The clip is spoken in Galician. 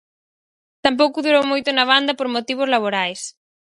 Tampouco durou moito na banda por motivos laborais.